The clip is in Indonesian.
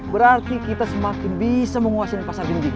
berarti kita semakin bisa menguasai pasar genting